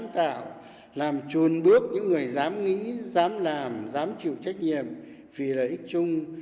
tạo làm chuồn bước những người dám nghĩ dám làm dám chịu trách nhiệm vì lợi ích chung